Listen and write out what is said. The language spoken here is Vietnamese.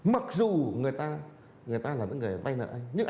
mặc dù người ta là người vay nợ anh nhưng anh không được phép